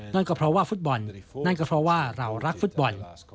นั่นก็เพราะว่าฟุตบอลนั่นก็เพราะว่าเรารักฟุตบอล